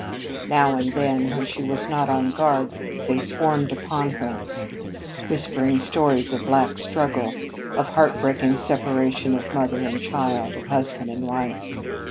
Now and then, when she was not on guard, they swarmed upon her, whispering stories of black struggle, of heart breaking separation of mother and child, of husband and wife.